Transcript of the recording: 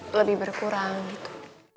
lebih berkurang gitu